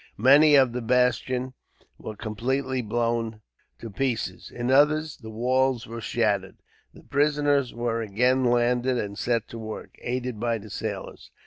Many of the bastions were completely blown to pieces. In others, the walls were shattered. The prisoners were again landed, and set to work, aided by the sailors.